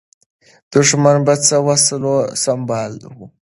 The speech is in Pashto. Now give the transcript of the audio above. دښمن په څه وسلو سمبال و؟